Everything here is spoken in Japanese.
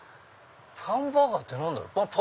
パンバーガーって何だろう？